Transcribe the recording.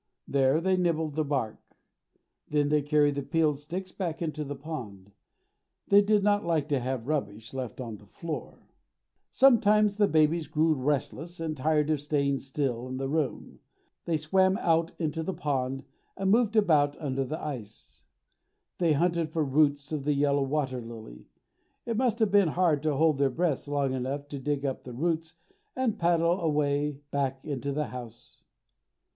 There they nibbled the bark. Then they carried the peeled sticks back into the pond. They did not like to have rubbish left on the floor. Sometimes the babies grew restless and tired of staying still in the room. They swam out into the pond and moved about under the ice. They hunted for roots of the yellow water lily. It must have been hard to hold their breaths long enough to dig up the roots and paddle away back into the house.